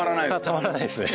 たまらないですね。